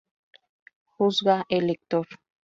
Juzga el lector.